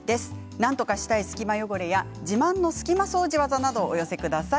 なんとかしたい隙間汚れや自慢の隙間掃除技などをお寄せください。